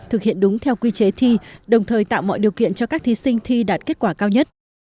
thực hiện đúng theo quy chế thi đồng thời tạo mọi điều kiện cho các thí sinh thi đạt kết quả cao nhất